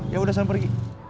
ya udah saya pergi